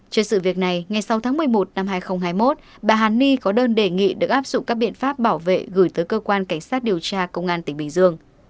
trước sự việc này ngày sáu tháng một mươi một năm hai nghìn hai mươi một bà hàn ni có đơn đề nghị được áp dụng các biện pháp bảo vệ gửi tới cơ quan cảnh sát điều tra công an tỉnh bình dương